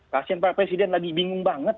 kasian pak presiden lagi bingung banget